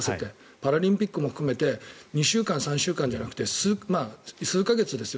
パラリンピックも合わせて２週間３週間じゃなくて数か月ですよ。